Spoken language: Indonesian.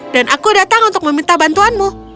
dan aku datang untuk meminta bantuanmu